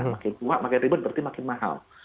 makin kuat makin ribet berarti makin mahal